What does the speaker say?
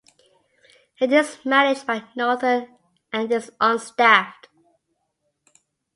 It is managed by Northern and is unstaffed.